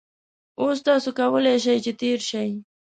اوس تاسو کولای شئ چې تېر شئ